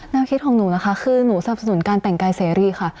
คิดของหนูนะคะคือหนูสนับสนุนการแต่งกายเสรีค่ะ